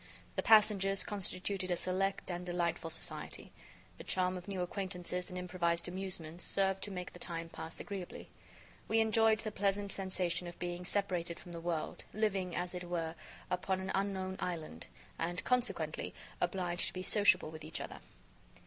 The passengers constituted a select and delightful society. The charm of new acquaintances and improvised amusements served to make the time pass agreeably. We enjoyed the pleasant sensation of being separated from the world, living, as it were, upon an unknown island, and consequently obliged to be sociable with each other.